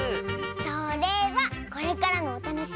それはこれからのおたのしみ！